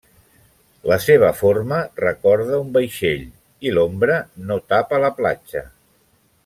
La seva forma recorda un vaixell i l'ombra no tapa la platja.